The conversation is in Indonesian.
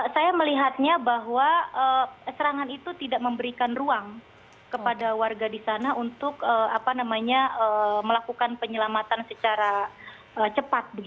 saya melihatnya bahwa serangan itu tidak memberikan ruang kepada warga di sana untuk melakukan penyelamatan secara cepat